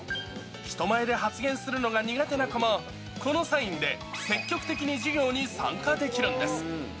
人前で発言するのが苦手な子も、このサインで、積極的に授業に参加できるんです。